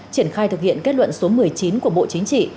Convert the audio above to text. triển khai thực hiện kết luận của bộ chính trị